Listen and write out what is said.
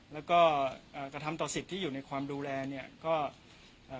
แล้วก็อ่ากระทำต่อสิทธิ์ที่อยู่ในความดูแลเนี้ยก็เอ่อ